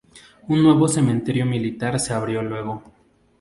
Un nuevo cementerio militar se abrió luego.